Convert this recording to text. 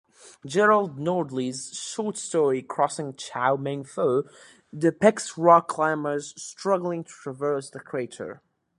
Gerald Nordley's short story "Crossing Chao Meng-Fu" depicts rock-climbers struggling to traverse the crater.